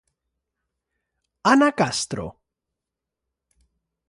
Ana Castro?